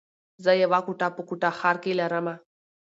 زه يوه کوټه په کوټه ښار کي لره مه